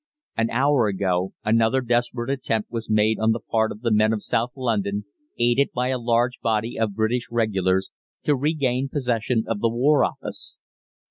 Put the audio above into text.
"An hour ago another desperate attempt was made on the part of the men of South London, aided by a large body of British regulars, to regain possession of the War Office.